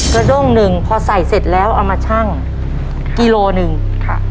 กระด้งหนึ่งพอใส่เสร็จแล้วเอามาชั่งกิโลหนึ่งค่ะ